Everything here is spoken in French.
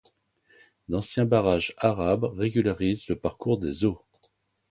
D'anciens barrages arabes régularisent le parcours des eaux.